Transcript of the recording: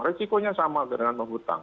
risikonya sama dengan hutang